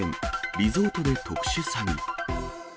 リゾートで特殊詐欺。